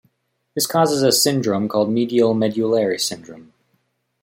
This causes a syndrome called medial medullary syndrome.